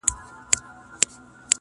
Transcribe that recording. • زما زړۀ کي فقط تۀ خلکو پیدا کړې ,